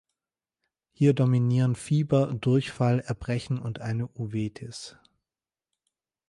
Hier dominieren Fieber, Durchfall, Erbrechen und eine Uveitis.